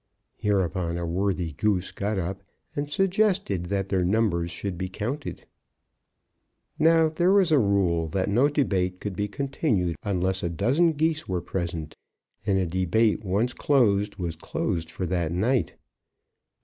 Hereupon a worthy Goose got up and suggested that their numbers should be counted. Now there was a rule that no debate could be continued unless a dozen Geese were present; and a debate once closed, was closed for that night.